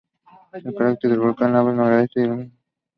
El cráter del volcán se abre al Noreste, y es conocido como La Caldereta.